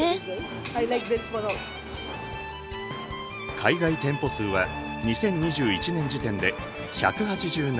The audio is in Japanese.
海外店舗数は２０２１年時点で１８７。